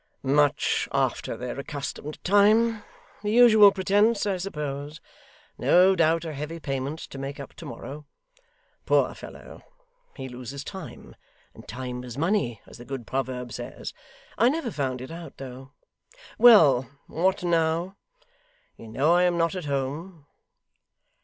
'Much after their accustomed time. The usual pretence I suppose. No doubt a heavy payment to make up tomorrow. Poor fellow, he loses time, and time is money as the good proverb says I never found it out though. Well. What now? You know I am not at home.